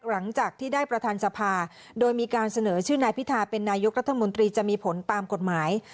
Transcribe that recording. หลังจากที่ได้ประธานสภาโดยมีการเสนอชื่อนายพิธาเป็นนายกรัฐมนตรีจะมีผลตามกฎหมาย